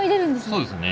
そうですね。